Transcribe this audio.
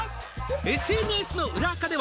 「ＳＮＳの裏アカでは」